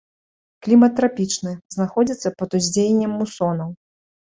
Клімат трапічны, знаходзіцца пад уздзеяннем мусонаў.